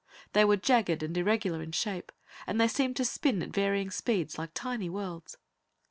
They were jagged and irregular in shape, and they seemed to spin at varying speeds, like tiny worlds.